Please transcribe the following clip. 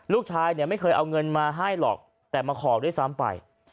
ลูกชายเนี่ยไม่เคยเอาเงินมาให้หรอกแต่มาขอด้วยซ้ำไป